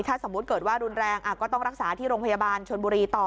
ถ้าสมมุติเกิดว่ารุนแรงก็ต้องรักษาที่โรงพยาบาลชนบุรีต่อ